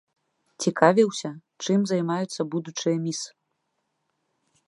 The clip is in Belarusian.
Цікавіўся, чым займаюцца будучыя міс.